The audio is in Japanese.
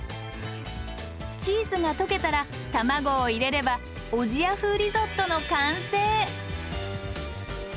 チーズが溶けたら卵を入れればおじや風リゾットの完成。